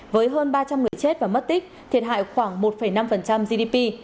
với hơn ba trăm linh người chết và mất tích thiệt hại khoảng một năm gdp